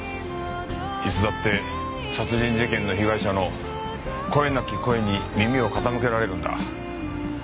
いつだって殺人事件の被害者の声なき声に耳を傾けられるんだ。